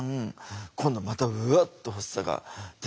今度またうわっと発作が出始めてきたんです。